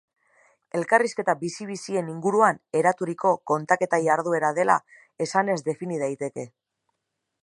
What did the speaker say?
Elkarrizketa bizi-bizien inguruan eraturiko kontaketa-jarduera dela esanez defini daiteke.